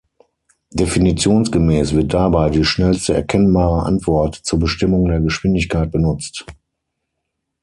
Definitionsgemäß wird dabei die schnellste erkennbare Antwort zur Bestimmung der Geschwindigkeit benutzt.